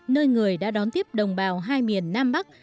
nơi người đã đón tiếp đồng bào hai miền nam bắc